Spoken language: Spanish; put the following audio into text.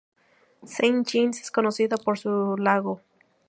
Saint-Jean es conocida por su lago.